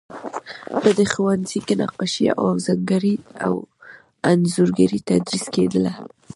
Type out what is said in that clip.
په دې ښوونځي کې نقاشي او انځورګري تدریس کیدله.